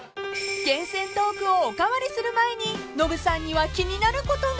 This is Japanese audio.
［厳選トークをおかわりする前にノブさんには気になることが］